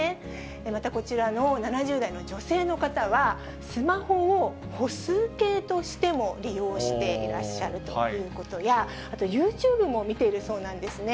またこちらの７０代の女性の方は、スマホを歩数計としても利用していらっしゃるということや、あとユーチューブも見ているそうなんですね。